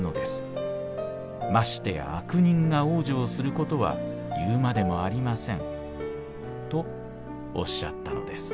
ましてや悪人が往生することは言うまでもありません』とおっしゃったのです」。